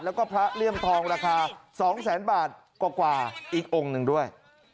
แล้วก็พระเลี่ยมทองราคา๒แสนบาทกว่าอีกองค์หนึ่งด้วย